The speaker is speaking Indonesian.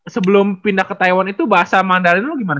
sebelum pindah ke taiwan itu bahasa mandarin dulu gimana